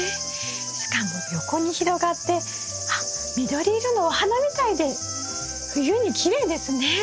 しかも横に広がってあっ緑色のお花みたいで冬にきれいですね。